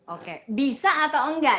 oke bisa atau enggak